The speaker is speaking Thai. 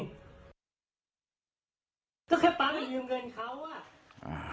ก็แค่ป๊าไปยืมเงินเขา